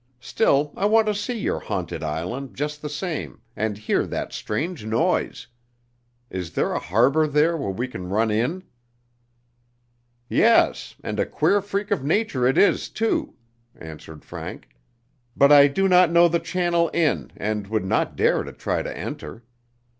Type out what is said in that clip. Still, I want to see your haunted island just the same and hear that strange noise. Is there a harbor there where we can run in?" "Yes, and a queer freak of nature it is, too," answered Frank, "but I do not know the channel in, and would not dare to try to enter.